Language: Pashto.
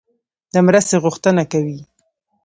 د مرستې غوښتنه کوي.